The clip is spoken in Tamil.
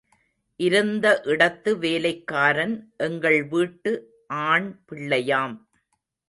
இருந்த இடத்து வேலைக்காரன் எங்கள் வீட்டு ஆண் பிள்ளையாம்.